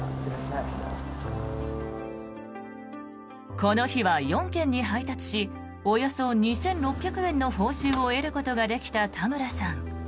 この日は４件に配達しおよそ２６００円の報酬を得ることができた田村さん。